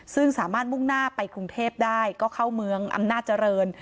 ซึ่งสามารถมุ่งหน้าไปกรุงเทพได้ก็เข้าเมืองอำนาจเจริญ